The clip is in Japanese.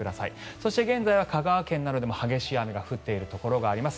そして現在は香川県などでも激しい雨が降っているところがあります。